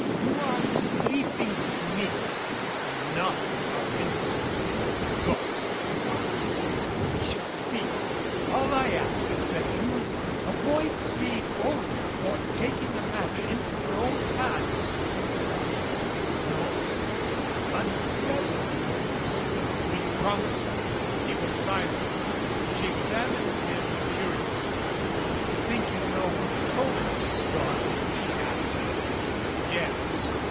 You are to leave things to me. I'm not without influence here in New York, Mr. Markham. We shall see. All I ask is that you avoid seeing Olga or tak ing the matter into your own hands. That would only 316 make a noise an unpleasant noise. Will you promise me?" He was silent. She examined him curiously. "You think you know who told this story?" she asked. "Yes."